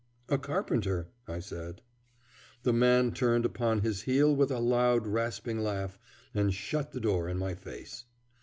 "A carpenter," I said. The man turned upon his heel with a loud, rasping laugh and shut the door in my face.